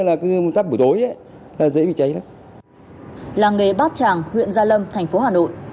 làng nghề bát tràng huyện gia lâm thành phố hà nội